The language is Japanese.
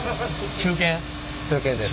中堅です。